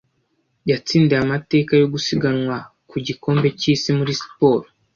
yatsindiye amateka yo gusiganwa ku gikombe cyisi muri siporo